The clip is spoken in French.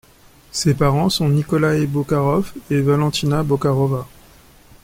Ses parents sont Nikolay Bocharov et Valentina Bocharova.